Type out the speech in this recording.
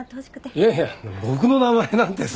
いやいや僕の名前なんてそんな。